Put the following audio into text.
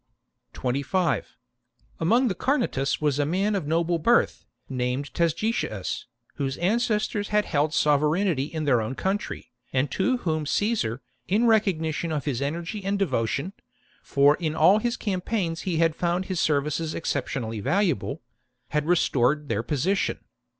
Assassina 2^. Among the Carnutes was a man of noble getius. ^^ birth, named Tasgetius, whose ancestors had held sovereignty in their own country, and to whom Caesar, in recognition of his energy and devotion (for in all his campaigns he had found his services exceptionally valuable), had restored their position.